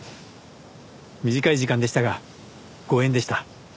短い時間でしたがご縁でした。